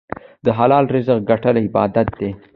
د حلال رزق ګټل عبادت دی.